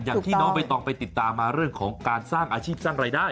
อย่างที่น้องใบตองไปติดตามมาเรื่องของการสร้างอาชีพสร้างรายได้